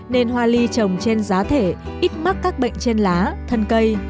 nên hoa ly trồng trên giá thể ít mắc các bệnh trên lá thân cây